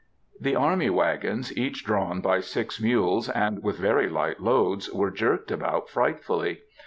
The army wagons, each drawn by six mules, and with very light loads, were jerked about frightfully.